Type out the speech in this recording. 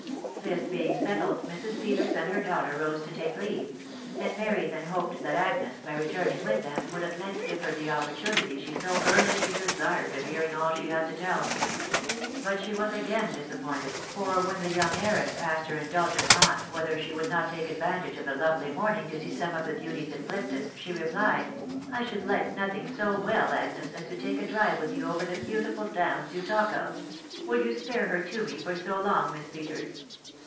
Thii being settled, Mrs. Peters and her daughter ime to take leave ; and Mary then hape^ that Agnes, by returning with them, would at length give her the opportunity ahe so earnestly desired of hearing all the had to telL But ahe wis again disappointed, "for when the young heiress asked her nv dulgent aunt whether she would not take advantage of the lovely morning to see some of the beauties of Clifton, ahe ae plied, — "I should like nothing so well, Agnes, aa to lake a drive with you over the beautiful downs you talk «£ Will you spare her to me for so long, Miss Peters